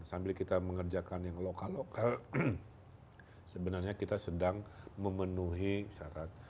sambil kita mengerjakan yang lokal lokal sebenarnya kita sedang memenuhi syarat